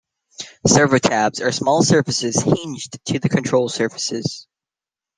Servo tabs are small surfaces hinged to the control surfaces.